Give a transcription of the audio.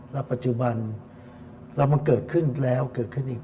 แล้วปัจจุบันเรามาเกิดขึ้นแล้วเกิดขึ้นอีก